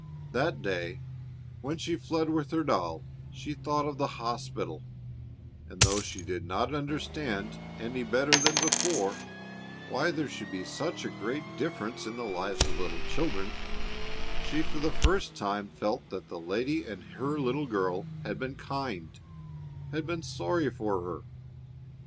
That day, when she fled with her doll, she thought of the hospital; and though she did not understand any better than before why there should be such great difference in the lives of little children, she for the first time felt that the lady and her little girl had been kind, had been sorry for her.